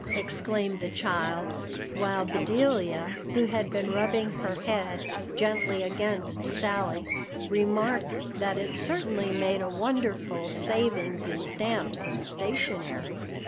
exclaimed the child, while Bedelia, who had been rubbing her head gently against Sally, remarked that it certainly made a wonderful saving in stamps and stationery.